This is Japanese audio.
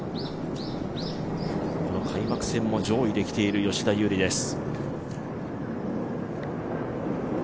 開幕戦も上位で来ている吉田優利です。